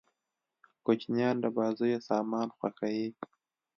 کوچنيان د بازيو سامان خوښيي.